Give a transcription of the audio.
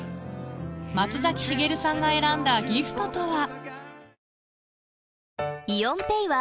松崎しげるさんが選んだギフトとは？